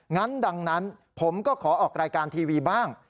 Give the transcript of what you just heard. งั้นดังนั้นผมก็ขอออกรายการทีวีบ้าง